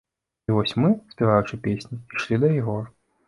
І вось мы, спяваючы песні, ішлі да яго.